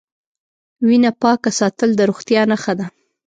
وینه پاکه ساتل د روغتیا نښه ده.